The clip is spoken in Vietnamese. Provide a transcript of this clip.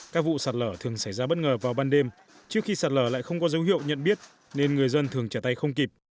các vụ sạt lở thường xảy ra bất ngờ vào ban đêm trước khi sạt lở lại không có dấu hiệu nhận biết nên người dân thường trả tay không kịp